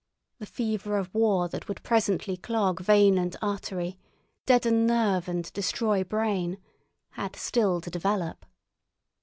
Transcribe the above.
The fever of war that would presently clog vein and artery, deaden nerve and destroy brain, had still to develop.